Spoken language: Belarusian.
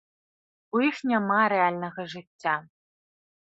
У іх няма рэальнага жыцця.